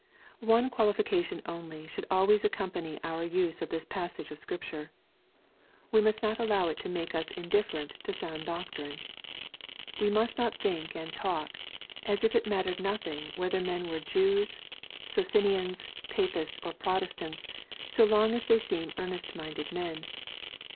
One qualification only should always accompany our use of this passage of Scripture. We must not allow it to make us indifferent to sound doctrine. We must not think and talk as if it mattered nothing whether men are Jews, Socinians, Papists, or Protestants, so long as they seem earnest minded men.